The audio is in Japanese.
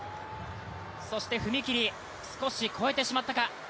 そして踏み切り少し越えてしまったか。